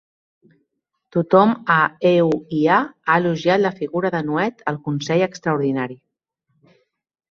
Tothom a EUiA ha elogiat la figura de Nuet al consell extraordinari